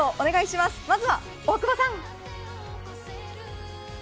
まずは大久保さん。